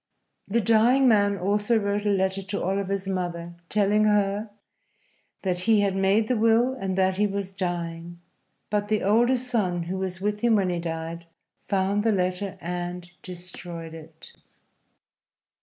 The dying man also wrote a letter to Oliver's mother, telling her that he had made the will and that he was dying; but the older son, who was with him when he died, found the letter and destroyed it.